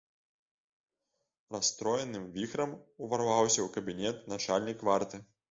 Расстроеным віхрам уварваўся ў кабінет начальнік варты.